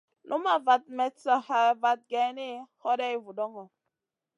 Numaʼ vat mestn hè vat geyni, hoday vudoŋo.